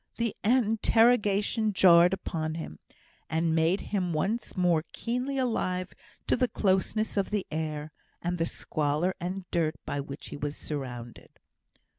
The interruption jarred upon him, and made him once more keenly alive to the closeness of the air, and the squalor and dirt by which he was surrounded.